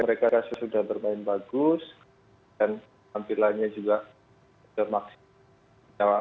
mereka sudah bermain bagus dan tampilannya juga bermaksud